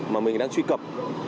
mà mình đang truy cập